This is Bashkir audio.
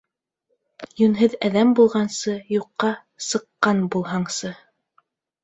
Йүнһеҙ әҙәм булғансы, юҡҡа сыҡҡан булһаңсы!